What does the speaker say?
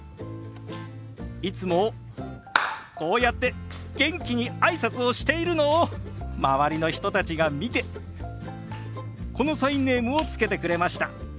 いつもこうやって元気に挨拶をしているのを周りの人たちが見てこのサインネームを付けてくれました。